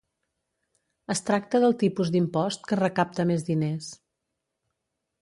Es tracta del tipus d'impost que recapta més diners.